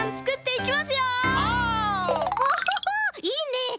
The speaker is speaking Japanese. いいね！